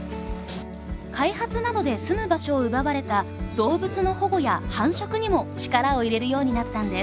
開発などで住む場所を奪われた動物の保護や繁殖にも力を入れるようになったんです。